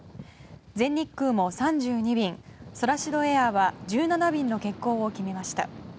全日空も３２便ソラシドエアは１７便の欠航を決めました。